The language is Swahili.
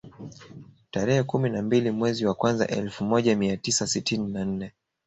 Tarehe kumi na mbili mwezi wa kwanza elfu moja mia tisa sitini na nne